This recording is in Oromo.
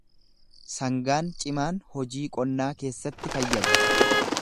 Sangaan cimaan hojii qonnaa keessatti fayyada.